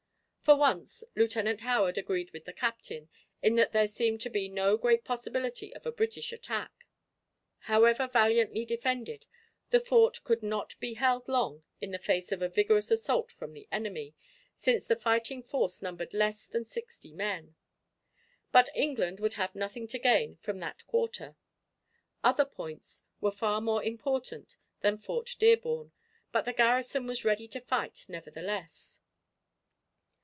For once, Lieutenant Howard agreed with the Captain, in that there seemed to be no great possibility of a British attack. However valiantly defended, the Fort could not be held long in the face of a vigorous assault from the enemy, since the fighting force numbered less than sixty men, but England would have nothing to gain from that quarter. Other points were far more important than Fort Dearborn, but the garrison was ready to fight, nevertheless.